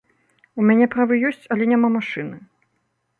У мяне правы ёсць, але няма машыны.